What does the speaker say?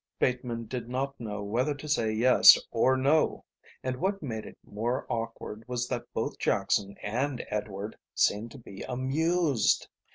Bateman did not know whether to say yes or no, and what made it more awkward was that both Jackson and Edward seemed to be amused.